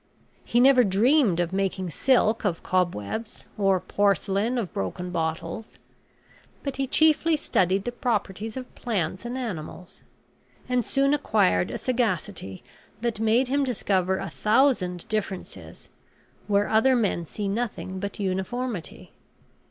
He never dreamed of making silk of cobwebs, or porcelain of broken bottles; but he chiefly studied the properties of plants and animals; and soon acquired a sagacity that made him discover a thousand differences where other men see nothing but uniformity.